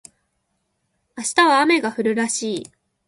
明日は雨が降るらしい